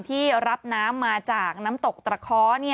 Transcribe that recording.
ที่รับน้ำมาจากน้ำตกตระเคาะ